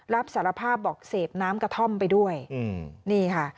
รับสารภาพบอกเสพน้ำกระท่อมไปด้วยนี่ค่ะ